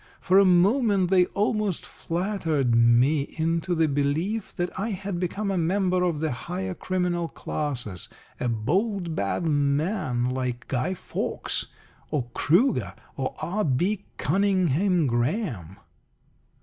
For a moment they almost flattered me into the belief that I had become a member of the higher criminal classes: a bold bad man, like Guy Fawkes, or Kruger, or R. B. Cuninghame Graham.